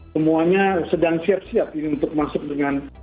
semuanya sedang siap siap ini untuk masuk dengan